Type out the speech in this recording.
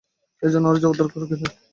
এজন্যই আরো যাওয়া দরকার, গ্যারি।